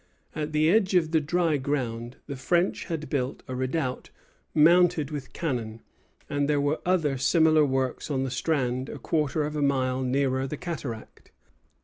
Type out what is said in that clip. At the edge of the dry ground the French had built a redoubt mounted with cannon, and there were other similar works on the strand a quarter of a mile nearer the cataract.